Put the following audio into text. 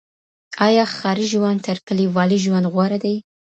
آيا ښاري ژوند تر کليوالي ژوند غوره دی؟